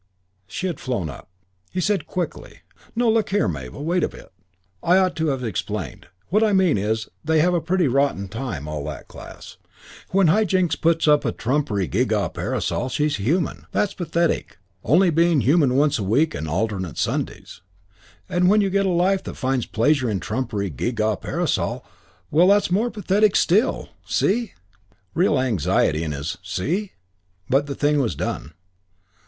She had flown up! He said quickly, "No, but look here, Mabel, wait a bit. I ought to have explained. What I mean is they have a pretty rotten time, all that class. When High Jinks puts up a trumpery, gee gaw parasol, she's human. That's pathetic, only being human once a week and alternate Sundays. And when you get a life that finds pleasure in a trumpery, gee gaw parasol, well that's more pathetic still. See?" Real anxiety in his "See?" But the thing was done.